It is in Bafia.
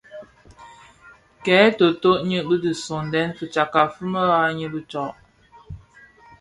Kè toto nyi sõňdèn fitsakka fi mëdhad ňyi bi tsag.